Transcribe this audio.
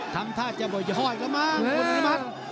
ทำท่าจะบ่ยย้อยกันบ้าง